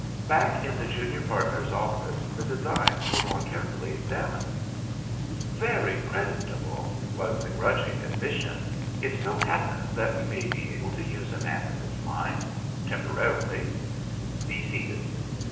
Back in the junior partner's office the de. signs were more carefully examined. "Very creditable," was the grudging ad mission; "it so happens that we may be able to use a man in this line — ^temporarily. Be v. seated."